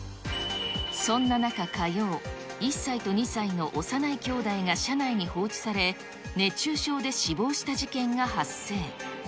そんな中、火曜、１歳と２歳の幼いきょうだいが車内に放置され、熱中症で死亡した事件が発生。